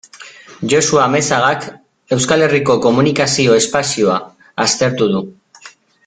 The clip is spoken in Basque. Josu Amezagak Euskal Herriko komunikazio espazioa aztertu du.